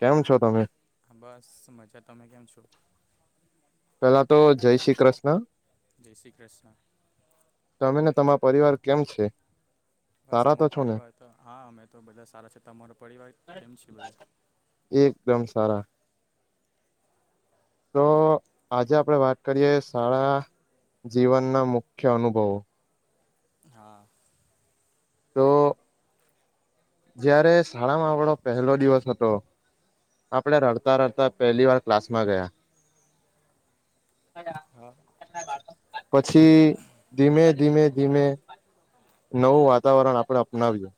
કેમ છો તમે. બસ મજા તમે કેમ છો. પેલા તો જય શ્રી કૃષ્ણ. જય શ્રી કૃષ્ણ. તમે ને તમારા પરિવાર કેમ છે. બસ સારા તો અમારો છો ને પરિવાર તો હા અમે તો બધા સારા છે તમારો પરિવાર કેમ છે બધું. એકદમ સારા. તો આજે આપડે વાત કરીએ શાળા જીવનના મુખ્ય અનુભવો. હા. તો જયારે શાળામાં આપણો પહેલો દિવસ હતો આપડે રડ રડતા રડતા જ પહેલી વાર ક્લાસ માં ગયા. હા પછી ધીમે ધીમે ધીમે નવું વાતાવરણ આપણે અપનાવ્યું.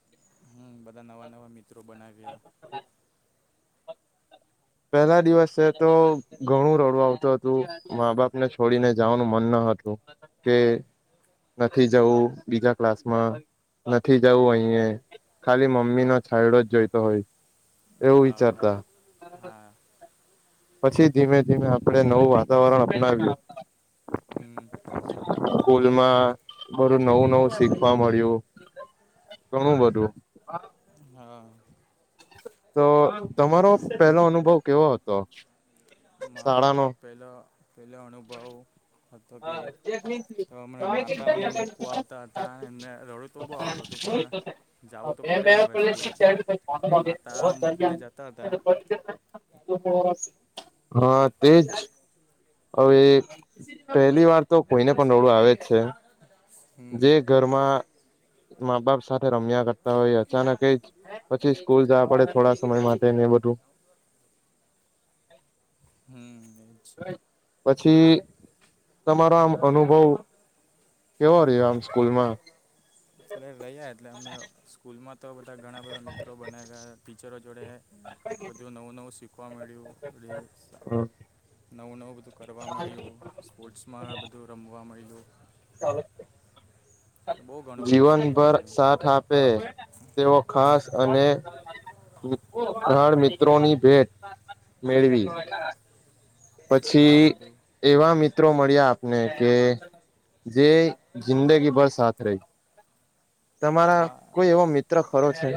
હ બધા નવા નવા મિત્રો બનાવ્યા. પહેલા દિવસે તો ઘણું રડવું આવતું હતું. મા બાપ ને છોડીને જવાનું મન ન હતું કે નથી જવું બીજા ક્લાસમાં નથી જવું અયે ખાલી મમ્મી નો છાયડો જ જોઈતો હોય. એવુ હા વિચારતા હા પછી ધીમે ધીમે આપડે નવું વાતાવરણ અપનાવ્યું. હમ સ્કૂલમાં ઘણું નવું નવું શીખવા મળ્યું. ઘણું બધું. હા તો તમારો પહેલો અનુભવ કેવો હતો. મારો તો શાળાનો પેલો પેલો અનુભવ હતો કે તો અમે માતાઓ ને મૂકવા આવતા હતા એમને રડો તો બહુ આવતું હતું પણ જાવું તો પડે ને હવે સ્કૂલ માતા મૂકીને જતાતા. [unintelligible] હ તેજ. હવે એક પહેલી વાર તો કોઈને પણ રડવું આવે જ છે હમ જે ઘરમાં મા- બાપ સાથે રમ્યાં કરતાં હોય. અચાનક એ જ પછી સ્કૂલ જાવા પડે થોડા સમય માટે ને એ બધું હમ્મ. એ જ પછી તમારા આમ અનુભવ કેવો રહ્યો આમ સ્કૂલમાં? લઈએ એટલે અમે સ્કૂલમાં તો બધાં ઘણાં બધા મિત્રો બનવ્યા ટીચરો જોડે બધું નવું નવું શીખવા મળ્યું. [unintelligible] નવું નવું બધું કરવા મળ્યું. સ્પોર્ટ્સમાં બધું રમવા મયલુ. બહુ ઘણું [inaudible] બધું શીખવા જીવનભર મળ્યું સાથ આપે. તેઓ ખાસ અને [unintelligible] મિત્રોની ભેટ મેળવી. હા પછી બધું એવાં મિત્રો મળ્યા આપને કે જે જિંદગીભર સાથ રેય. તમારા હા કોઈ એવો મિત્ર મિત્ર ખરો છે.?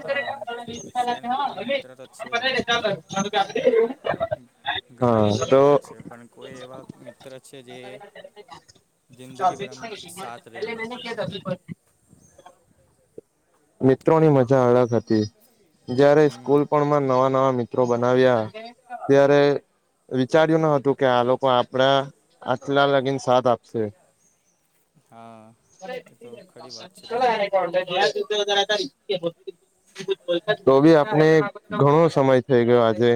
હા છે ને તાં મિત્ર છે એવા આપણા હા ઘણાં બધાં તો મિત્ર છે. પણ કોઈ એવા મિત્ર છે જે [inaudible] જિંદગીભર આમ સાથ રેય એવાં. [unintelligible] મિત્રોની મજા અલગ હતી. જ્યારે હમ સ્કૂલ પણમાં નવા નવા મિ ત્રો બનાવ્યા ત્યારે વિચાર્યું ન હતું કે, આ લોકો આપડા આટલાં લગીન સાથ આપશે. હા એ તો ખરી વાત છે તમારી [unintelligible] [unintelligible] તો બી આપને ઘણો સમય થઇ ગયો આજે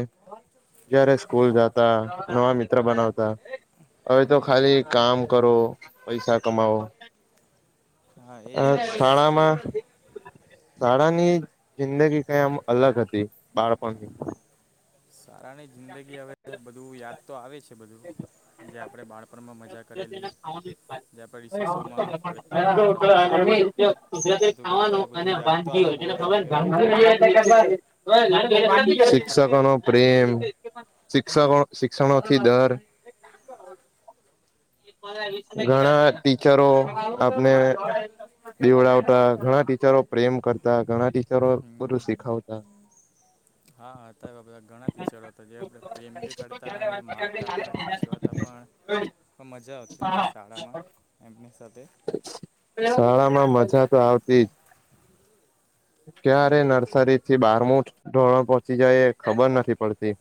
જ્યારે સ્કૂલ જાતા, નવા મિત્ર બનાવતા. હવે તો હમ ખાલી કામ કરો, પૈસા કમાવો. હા એ જ આ હવે શાણામાં સ્કૂલ શાળાની જિંદગી કંઈ આમ અલગ હતી બાળપણની સારાની જિંદગી હવે બધું યાદ તો આવે છે બધું જે આપણે બાળપણમાં મજા કરેલી. જે આપણે રિશેષોમાં ફળતા રમતા બધું કરતાં એ બધું યાદ તો આવે. બો યાદ આવે હવે તો [unintelligible] શિક્ષકોનો પ્રેમ શિક્ષકો શિક્ષણોથી ડર ઘણાં ટીચરો આપને બીવડાવતા ઘણાં ટીચરો પ્રેમ કરતાં ઘણાં ટીચરો હમ. બધું શીખાવતા. હા હતા એવા બધાં ઘણા ટીચરો હતા જે આપણે પ્રેમ બી કરતાં અને મારતા પણ ખીજવાતા પણ પણ મજા આવતી શાળામાં એમની સાથે શાળામાં મજા તો આવતી જ ક્યારે નર્સરીથી બારમું ધોરણ પહોંચી જાય એ ખબર નથી પડતી.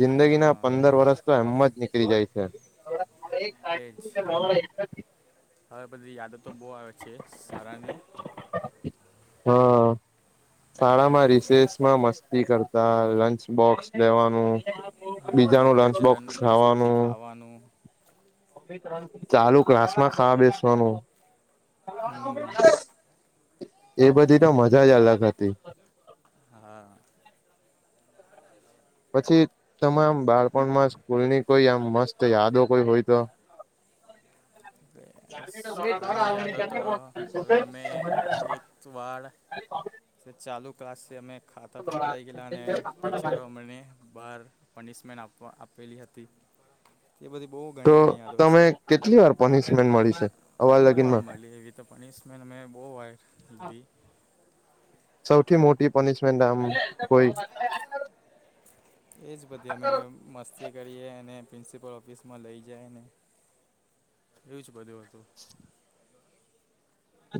જિંદગીના હા પંદર વરષ તો એમ જ નીકળી જાય છે. [inaudible] એજ. હવે બધી યાદ તો બો આવે છે શાળાની હા શાળામાં રિસેસમાં મસ્તી કરતા લંચ બોક્સ દેવાનું હમ, બીજાનું એક લંચ જ બોક્સ બોક્સમાંથી ખાવાનું ખાવાનું ચાલુ ક્લાસમાં ખાવા બેસવાનું હમ, એ બધી તો મજા જ અલગ હતી. હા. [inaudible] પછી તમારા બાળપણમાં જ સ્કૂલની કોઈ આમ મસ્ત યાદો કોઈ હોય તો હવે [inaudible] શાળાની યાદો તો હવે અમે [inaudible] એક વાર [inaudible] ચાલુ ક્લાસે અમે ખાતા પકડાઈ ગેલા અને ટીચરો અમને બાર પનિશમેન્ટ આપવા આપેલી હતી. એ બધી બો તો તમે કેટલી વાર પનિશમેન્ટ મળી છે અવાર બહુ વાર લગીનમાં મળી એવી તો પનિશમેન્ટ મે બો વાર લીધી. સૌથી મોટી પનિશમેન્ટ આમ કોઈ એજ બધી અમે મસ્તી કરીએ અને પ્રિન્સિપલ ઓફિસમાં લઈ જાય ને. એવું જ બધું હતું.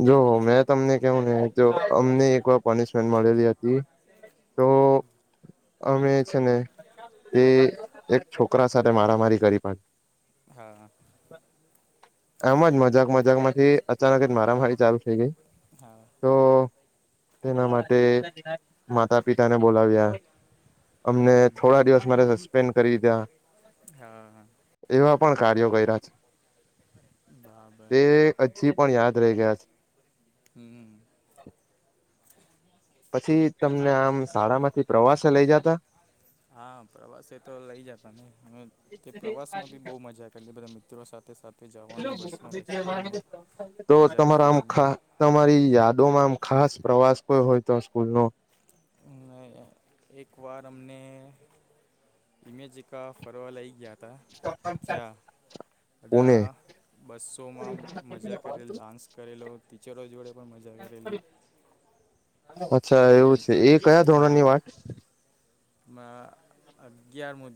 જો મેં તમને કેવું ને જો અમને એકવાર પનિશમેન્ટ મળેલી હતી તો અમે છે ને તે એક છોકરા સાથે મારામારી કરી પાડી. હા. એમજ મજાક મજાકમાંથી અચાનક જ મારામારી ચાલુ થઇ ગઈ. હા. તો એના માટે માતા પિતાને બોલાવ્યા. અમને હમ થોડા દિવસ મારે સસ્પેન્ડ કરી દીધા. હા, હા. એવા પણ કાર્યો કર્યા બરાબર છે એ... હજી પણ યાદ રહી ગયા છે. હમ્મ. પછી તમને આમ શાળામાંથી પ્રવાસે લઈ જતા. હા, પ્રવાસે તો લઇ જતા ને તે પ્રવાસમાં બી બો મજા કરલી બધા મિત્રો સાથે. સાથે જવાનું બસમાં બેસવાનું તો મજા તમારા આમ કરવાની ખા તમારી યાદોમાં આમ ખાસ પ્રવાસ કોઈ હોય તો સ્કૂલનો અને એકવાર અમને ઇમેજકા ફરવાઆ લઈ ગયા હતા જ્યાં પુણે બધા બસોમાં મજા કરેલ ડાન્સ કરેલો. ટીચરો જોડે પણ મજા કરેલી. અચ્છા બહુ એવું છે એ કયા ધોરણની વાત અ અગિયારમુ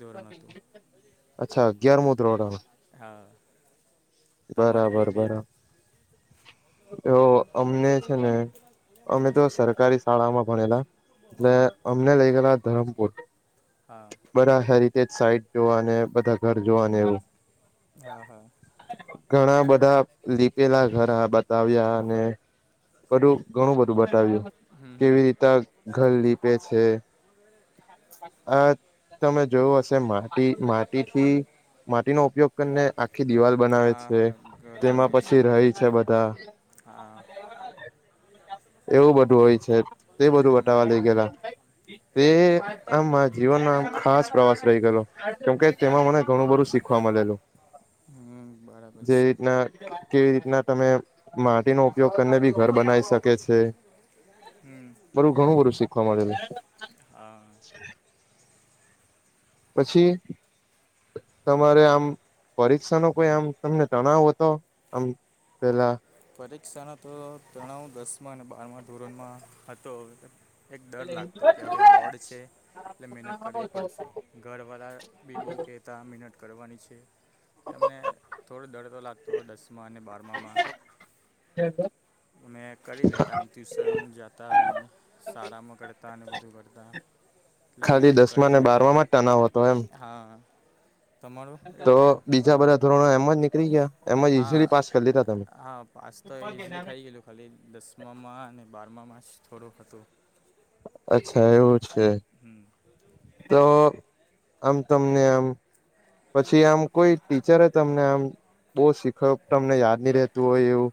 અચ્છા, અગિયારમુ ધોરણ. હા. તમારે બરાબર, કઈ બરાબર યાદ તો અમને છે ને. અમે તો સરકારી શાળામાં ભણેલા એટલે હા અમને લઇ ગયેલા ધરમપુર હા. બધાં હેરિટેજ સાઈટ જોવા ને બધાં ઘર જોવાને એવું. હા હા ઘણાં બધાં લીપેલા ઘરા બતાવ્યા અને બધું ઘણું બધું બતાવ્યું હમ હમ કેવી રીતે ઘર લીપે છે. અ તમે જોયું હશે માટી માટીથી માટીનો ઉપયોગ ઘરને આખી દિવાલ બનાવે હા છે. હા ઘરો તેમાં બને છે પછી રહી હમ છે. બધાં હા એવું બધું હોય છે. તે બધું બતાવા હમ, લઈ ગેયાતાં. તે બ- આમ મારા જીવનનો આમ ખાસ પ્રવાસ રહી ગેલો કેમકે તેમાં મને ઘણું બધું શીખ શિખવા મળેલું હમ, બરાબર જે છે રીતનાં. કેવી રીતના તમે માટીનો ઉપયોગ કરીને બી ઘર બનાવી શકે છે. હં બધું. ઘણું બધું શીખવા મળેલું હા પછી તમારે આમ પરીક્ષા નો કોઈ આમ તમને તણાવ હતો આમ પેલાં પરીક્ષાના તો તણાવ દસમાં અને બારમાં ધોરણમાં હતો. એક ડર લાગતો કે હવે બોર્ડ છે. એટલે મહેનત કરવી પડશે. ઘરવાળા બી બહુ કે તા મિનટ કરવાનીછે. તેમને થોડો ડર તો લાગતો દસમાં અને બારમામાં [unintelligible] અમે કરી લેતાં ટ્યુશન જાતાં અને શાળામાં કરતાં અને બધું કરતાં ખાલી દસમાં ને બારમાં માં જ તણાવ હતો એમ હા તમારું એવું તો કંઈ બીજા તણાવ બધા ધોરણો એમ જ નીકળી ગયા એમ જ હા ઈઝીલી પાસ કરી લીધા તમે હા સ તો એ ઇઝીલી થઈ ગયેલું ખાલી દસમામાં અને બારમામાં જ થોડુંક હતું અચ્છા એવું છે. હં તો આમ તમને આમ. પછી આમ કોઈ ટીચરે તમને આમ બહું શીખવ તમને યાદ નહીં રહેતું હોય એવું.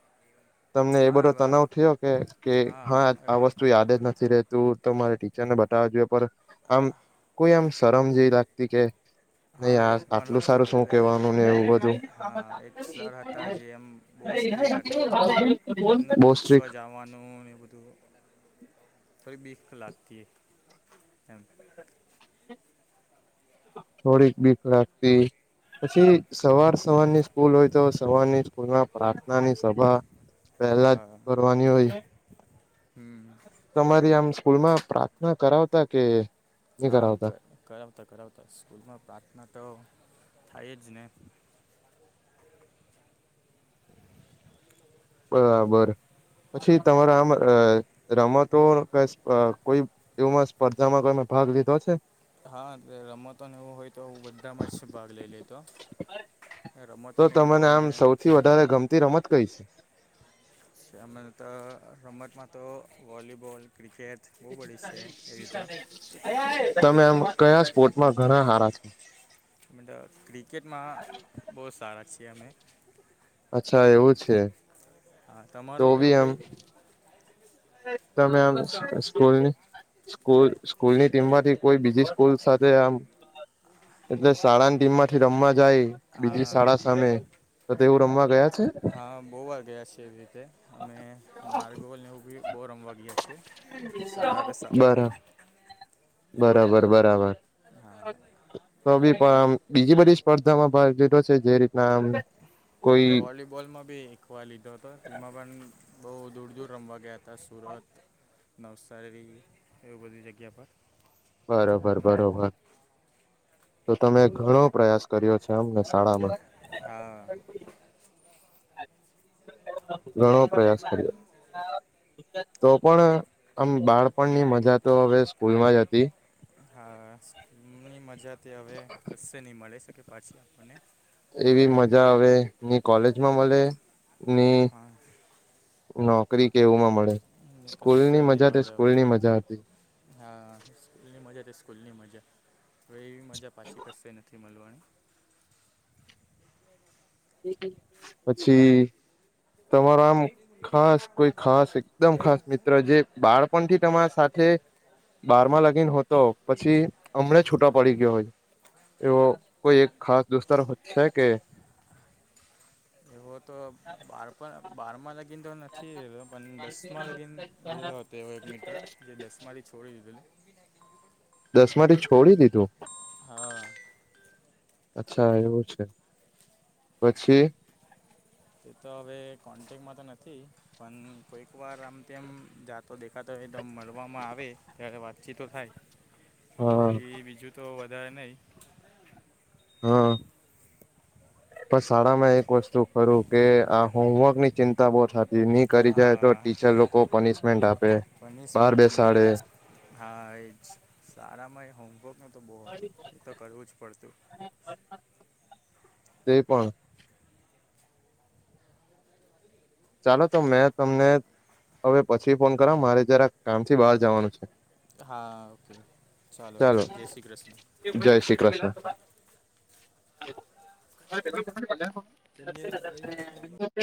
તમને એ હા બંધો એવા તનાવ થયો કે કે હા આ વસ્તુ યાદ જ નથી રેતી. તું તો મારે ટીચરને બતાવ જોઈએ પણ આમ કોઈ આમ શરમ જેવી લાગતી કે નહી હા આ એવું પણ આટલું સારું હતું શું એટલે કેવાનું ને એવું બધું હા એક સર હતાં જે એમ બહુ સ્ટ્રીક હતાં. બોવ સ્ટ્રીક આવવાનું ને એ બધું થોડી બીક લાગતી એમ થોડીક બીક લાગતી પછી સવાર સવારની સ્કૂલ હોય તો સવારની પૂર્વ પ્રાર્થના ની સભા પહેલા જ હા કરવાની હોય હંઅ તમારી આમ સ્કૂલમાં પ્રાર્થના કરાવતાં કે નહી હા કર કરાવતા કરાવતાં કરાવતાં સ્સ્કૂલમાં પ્રાર્થના તો થાય જ ને. બરાબરપછી તમારા આમ રમતો કશુઅ કોઈ એમાંસ્પર્ધામાં કોયમો ભાગ લીધો છે. હા રમતો ને એવું હોય તો હું બધાંમાં જ ભાગ લઈ લેતો. તો રમતોને તમને એબધું આમ અમે સૌથી વધારે ગમતી રમત કઈ છે? [unintelligible] તો રમતમાં તો વોલીબોલ, ક્રિકેટ બહુ બધી છે એવી રીતે [unintelligible] તમે આમ કયા સ્પોર્ટમાં ઘણા હારા છો? [inaudible] એમ તો ક્રિકેટમાં બો સારા છીએ અમે. અચ્છા! એવું છે. હા તો તમારું બી એવું આમ કંઈ? તમે આમ સ્કૂલની સ્કૂલ સ્કૂલની ટીમમાંથી કોઈ બીજી સ્કૂલ સાથે આમ એટલે શાળાની ટીમમાંથી રમવા જાય. બીજી શાળા હા સામે તો તેવું રમવા ગયા છે હા બો વાગ્યા છે એવી રીતે. અમે નારગોલને એવું બી બો રમવા ગીયા છીએ. સારું સાર બરા બરાબર બરાબર. હા. તો બી પણ આમ્ બીજી બધી સ્પર્ધામાં ભાગ લીધો છે. જે રીતના આમ્ વોલીબોલમાં બી એકવાર લીધો હતો. તેમાં પણ બો દૂર દૂર રમવા ગયા હતા. તાં સુરત, નવસારી એવી બધી જગ્યા પર. બરોબર બરોબર. તો તમે ઘણો પ્રયાસ કર્યો છે એમને શાળામાં? હા. ઘણો પ્રયાસ કર્યો. તો પણ આમ બાળપણની મજા તો હવે સ્કૂલમાં જ હતી. હા, સ્કૂ્લની મજા તે હવે કશ્શે નહી મળે શકે પાછી આપણને. એવી મજા હવે ની કોલેજમાં મલે ની હા નોકરી કે એવુંમાં મળે, ને કશે સ્કૂલની નહીં મજા તે મળે હવે સ્કૂલની મજા હતી. હા સ્કૂલની મજા તે સ્કૂલની મજા! હવે એવી મજા પાછી કશ્શે નથી મળવાની. [unintelligible] પછી.. તમારા આમ ખાસ કોઈ ખાસ એકદમ ખાસ મિત્ર જે બાળપણથી તમારા સાથે બારમાં લગીન હુતો પછી હમણે છૂટો પડી ગ્યો હોય, એવો કોઈ એક ખાસ દોસ્તાર છે કે એવો તો બારપ બારમાં લગી લગીન તો નથી [inaudible] પણ દસમાં લાગન રેલો તેવો એક મિત્ર જે દસમાંથી છોડી દીધેલી દસમાંથી છોડી દીધું. હા. અચ્છા! એવું છે. પછી તે તો હવે કોન્ટેકમાં તો નથી. પણ કોઈક વાર આમ તેમ જાતો દેખાતો હોય તોમ મલવામાં આવે. ત્યારે વાતચીતો થાય. [inaudible] બાકી બીજું તો વધારે નય. હા. પણ શાળામાં એક વસ્તુ ખરું કે, આ હોમવર્કની ચિંતા બો થા તી ની કરી જાય તો હા ટીચર લોકો પનિશમેન્ટ આપે, બહાર પનિશમેન્ટ તો મળે બેસાડે. હા એજ. સારામાં એ હોંમવર્કનું તો બો હતું. એ તો કરવું જ પડતું. તે પણ ચાલો તો મેં તમને હવે પછી ફોન કરા મારે જરા કામથી બહાર જવાનું છે. હા ઓકે ચાલો જય શ્રી કૃષ્ણ. જય શ્રી કૃષ્ણ. ધન્યવાદ ભાઇ